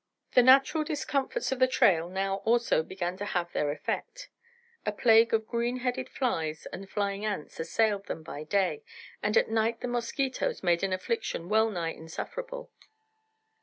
The natural discomforts of the trail now also began to have their effect. A plague of green headed flies and flying ants assailed them by day, and at night the mosquitoes made an affliction well nigh insufferable.